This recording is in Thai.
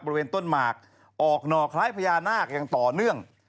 บริเวณต้นหมากออกหน่อคล้ายพญานาคอย่างต่อเนื่อง